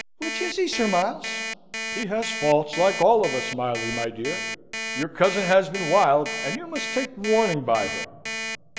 Which is he, Sir Miles?" "He has faults, like all of us, Miley, my dear. Your cousin has been wild, and you must take warning by him."